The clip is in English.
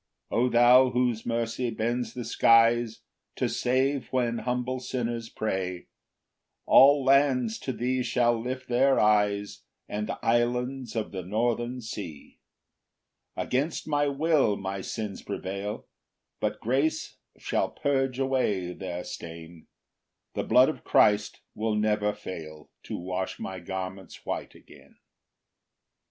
2 O thou, whose mercy bends the skies To save when humble sinners pray, All lands to thee shall lift their eyes And islands of the northern sea. 3 Against my will my sins prevail, But grace shall purge away their stain; The blood of Christ will never fail To wash my garments white again.